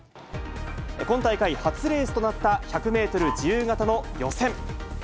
今大会初レースとなった１００メートル自由形の予選。